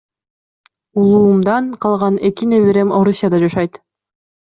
Улуумдан калган эки неберем Орусияда жашайт.